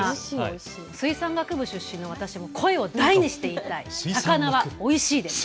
水産学部出身の私が声を大にして言いたいです。